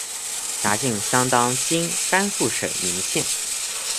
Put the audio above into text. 辖境相当今甘肃省岷县。